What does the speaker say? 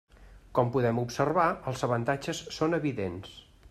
Com podem observar, els avantatges són evidents.